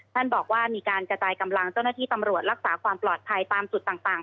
ท่านบอกว่ามีการกระจายกำลังเจ้าหน้าที่ตำรวจรักษาความปลอดภัยตามจุดต่าง